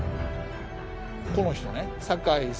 この人ね。